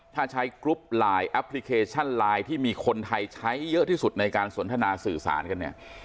ถ้าใช้กรุ๊ปไลน์แอปพลิเคชันไลน์ที่มีคนไทยใช้เยอะที่สุดในการสนทนาสื่อสารกันเนี่ย